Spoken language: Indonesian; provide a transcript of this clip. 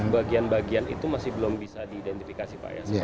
bagian bagian itu masih belum bisa diidentifikasi pak ya